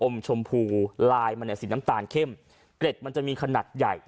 ชมพูลายมันเนี่ยสีน้ำตาลเข้มเกร็ดมันจะมีขนาดใหญ่